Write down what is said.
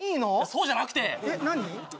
そうじゃなくてえっ何？